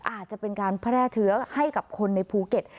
อาจจะเป็นการแพร่เชื้อให้กับคนในภูเก็ต